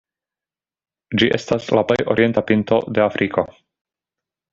Ĝi estas la plej orienta pinto de Afriko.